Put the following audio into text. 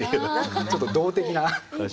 ちょっと動的な。